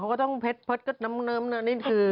เขาก็ต้องเพชรเพชรกับปำนุ่มนี่คือ